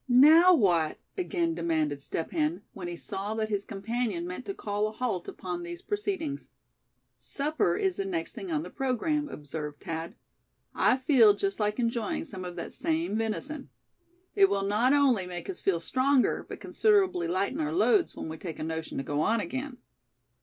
"Now what?" again demanded Step Hen, when he saw that his companion meant to call a halt upon these proceedings. "Supper is the next thing on the programme," observed Thad. "I feel just like enjoying some of that same venison. It will not only make us feel stronger, but considerably lighten our loads when we take a notion to go on again."